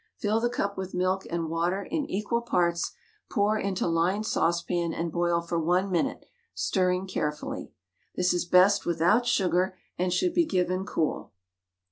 Fill the cup with milk and water in equal parts, pour into lined saucepan, and boil for 1 minute, stirring carefully. This is best without sugar, and should be given cool.